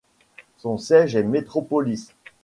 Son siège est Metropolis.